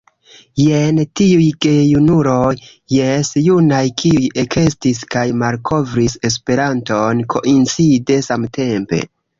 Jen tiuj gejunuloj, jes, junaj, kiuj ekestis kaj malkovris Esperanton, koincide samtempe!